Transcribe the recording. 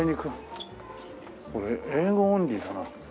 これ英語オンリーかな？